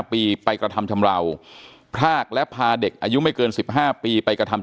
ปีไปกระทำชำราวพรากและพาเด็กอายุไม่เกิน๑๕ปีไปกระทำ